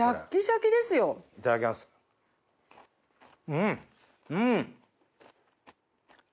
うんうん！